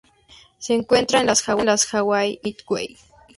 Se encuentra en las Hawái y en Midway.